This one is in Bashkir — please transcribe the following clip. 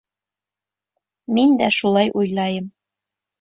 Мин дә шулай уйлайым.